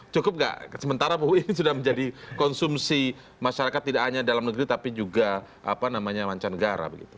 cukup nggak sementara ini sudah menjadi konsumsi masyarakat tidak hanya dalam negeri tapi juga mancanegara begitu